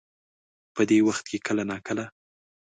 په دې وخت کې کله نا کله